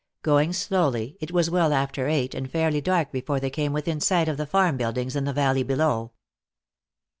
Going slowly, it was well after eight and fairly dark before they came within sight of the farm buildings in the valley below.